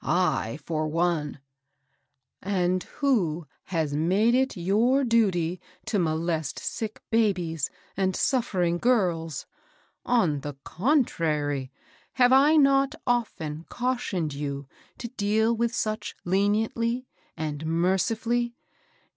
ly for one "— .And who has made it your duty to molest sick babies and suffering girls ? On the contrary, have I not often cautioned you to deal with such leniently and merciftdly